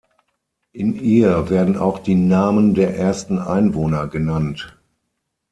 In ihr werden auch die Namen der ersten Einwohner genannt.